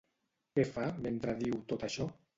Què fa mentre diu tot això?